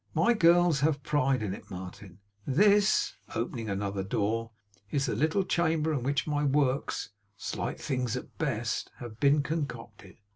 My girls have pride in it, Martin! This,' opening another door, 'is the little chamber in which my works (slight things at best) have been concocted.